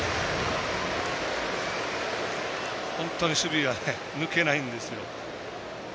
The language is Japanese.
本当に守備が抜けないんですよ。